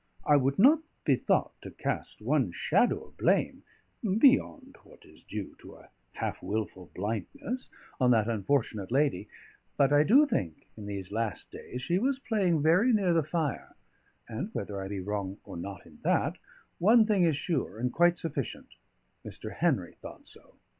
I would not be thought to cast one shadow of blame, beyond what is due to a half wilful blindness, on that unfortunate lady; but I do think, in these last days, she was playing very near the fire; and whether I be wrong or not in that, one thing is sure and quite sufficient: Mr. Henry thought so.